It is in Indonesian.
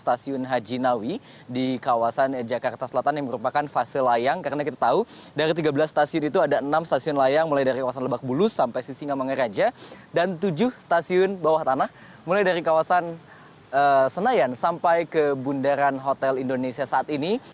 stasiun haji nawi di kawasan jakarta selatan yang merupakan fase layang karena kita tahu dari tiga belas stasiun itu ada enam stasiun layang mulai dari kawasan lebak bulus sampai sisingamangaraja dan tujuh stasiun bawah tanah mulai dari kawasan senayan sampai ke bundaran hotel indonesia saat ini